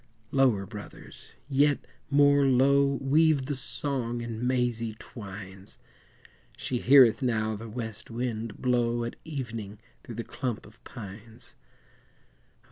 Lower, Brothers, yet more low Weave the song in mazy twines; She heareth now the west wind blow At evening through the clump of pines; O!